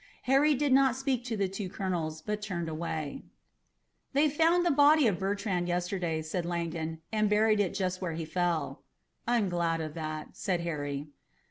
Harry did not speak to the two colonels, but turned away. "We found the body of Bertrand yesterday," said Langdon, "and buried it just where he fell." "I'm glad of that," said Harry.